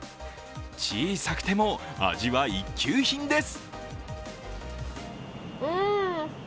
小さくても味は一級品です。